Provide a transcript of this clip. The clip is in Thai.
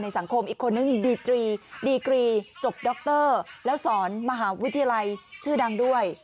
สังคมอีกคนนึงดีกรีดีกรีจบดรแล้วสอนมหาวิทยาลัยชื่อดังด้วย